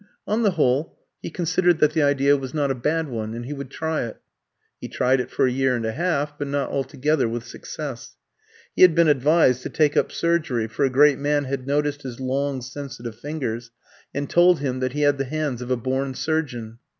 On the whole, he considered that the idea was not a bad one, and he would try it. He tried it for a year and a half, but not altogether with success. He had been advised to take up surgery, for a great man had noticed his long sensitive fingers, and told him that he had the hands of a born surgeon.